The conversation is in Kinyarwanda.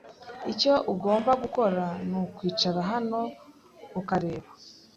Icyo ugomba gukora nukwicara hano ukareba.